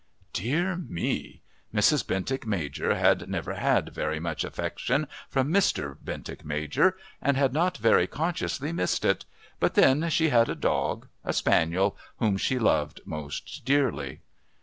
Dear me! Mrs. Bentinck Major had never had very much affection from Mr. Bentinck Major, and had not very consciously missed it, but then she had a dog, a spaniel, whom she loved most dearly.